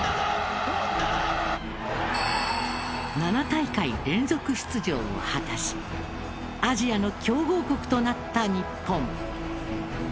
７大会連続出場を果たしアジアの強豪国となった日本。